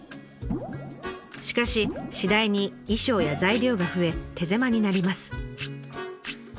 しかし次第に衣装や材料が増え手狭になります。